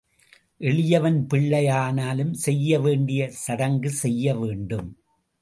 எளியவன் பிள்ளை ஆனாலும் செய்ய வேண்டிய சடங்கு செய்ய வேண்டும்.